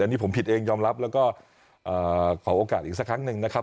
อันนี้ผมผิดเองยอมรับแล้วก็ขอโอกาสอีกสักครั้งหนึ่งนะครับ